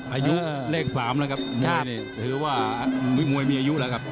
อายุเลข๓แล้วครับนี่ถือว่ามวยมีอายุแล้วครับ